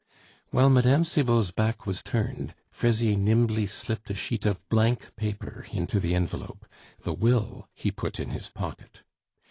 While Mme. Cibot's back was turned, Fraisier nimbly slipped a sheet of blank paper into the envelope; the will he put in his pocket.